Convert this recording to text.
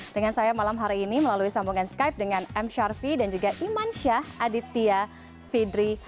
dengan saya malam hari ini melalui sambungan skype dengan m syarfi dan juga iman syah aditya fidri